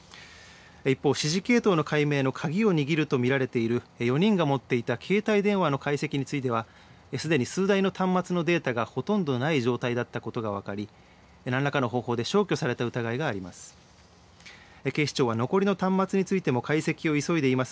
一方、指示系統の解明の鍵を握ると見られている４人が持っていた携帯電話の解析についてはすでに数台の端末のデータがほとんどない状態だったことが分かり何らかの方法で消去された疑いがあります。